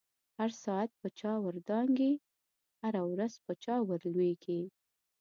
هر ساعت په چاور دانگی، هره ورځ په چا ورلویږی